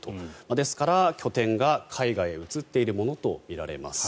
ですから拠点が、海外へ移っているものとみられます。